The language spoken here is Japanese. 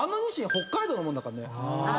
北海道のもんだからね。